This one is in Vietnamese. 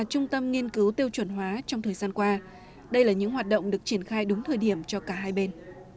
trung tâm nghiên cứu tiêu chuẩn hóa trong thời gian qua đây là những hoạt động được triển khai đúng thời điểm cho cả hai bên